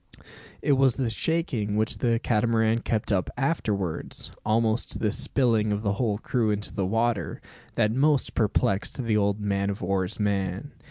It was the shaking which the Catamaran kept up afterwards, almost to the spilling of the whole crew into the water, that most perplexed the old man o' war's man.